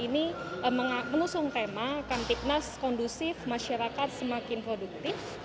ini mengusung tema kamtipnas kondusif masyarakat semakin produktif